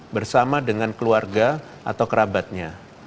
bersama dengan keluarga atau kerabatnya